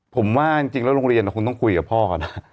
ผมว่าจริงแล้วโรงเรียนคงต้องคุยกับพ่อก่อนนะ